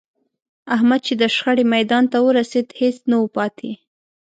احمد چې د شخړې میدان ته ورسېد، هېڅ نه و پاتې